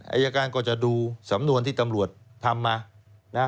อายการก็จะดูสำนวนที่ตำรวจทำมานะ